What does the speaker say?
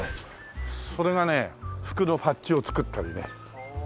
それがね服のパッチを作ったりね。